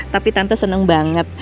tapi tante seneng banget